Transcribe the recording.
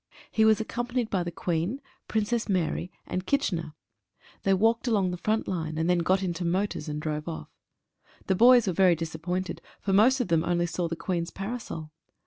He was accompanied by the Queen, Princess Mary, and Kitchener. They walked along the front line, and then got into motors and drove off. The boys were very disappointed, for most of them only saw the Queen's parasol.